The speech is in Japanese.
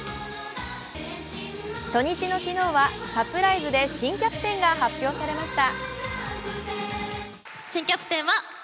初日の昨日はサプライズで新キャプテンが発表されました。